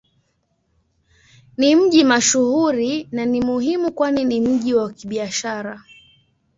Ni mji mashuhuri na ni muhimu kwani ni mji wa Kibiashara.